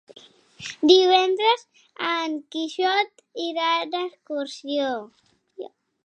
Divendres en Quixot irà d'excursió.